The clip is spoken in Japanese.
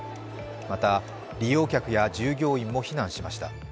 また、利用客や従業員も避難しました。